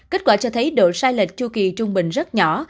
kết quả cho thấy độ sai lệch chu kỳ trung bình rất nhỏ